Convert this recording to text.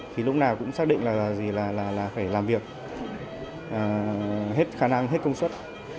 thì lúc nào cũng xác định là phải làm việc hết khả năng hết công suất